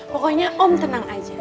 pokoknya om tenang aja